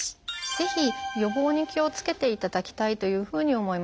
ぜひ予防に気をつけていただきたいというふうに思います。